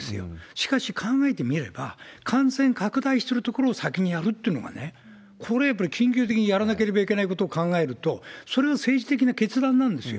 しかし、考えてみれば、感染拡大する所を先にやるというのは、これはやっぱり緊急的にやらなければいけないことを考えると、それは政治的な決断なんですよ。